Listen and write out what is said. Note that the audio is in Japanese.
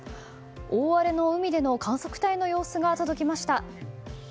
大荒れの海での観測隊の様子が届きました。